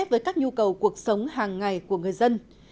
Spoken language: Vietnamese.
với các nhu cầu cuộc sống hàng ngày của người dân